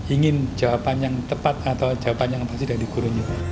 ingin jawaban yang tepat atau jawaban yang pasti dari gurunya